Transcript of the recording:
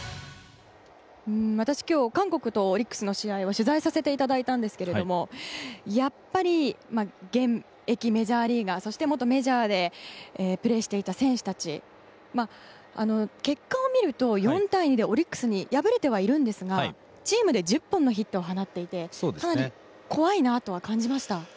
私、今日韓国とオリックスの試合を取材させていただいたんですがやっぱり現役メジャーリーガー元メジャーでプレーしていた選手たち結果を見ると４対２でオリックスに敗れてはいるんですがチームで１０本のヒットを放っていてかなり怖いなとは感じました。